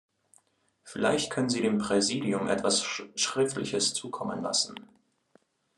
Vielleicht können Sie dem Präsidium etwas Schriftliches zukommen lassen.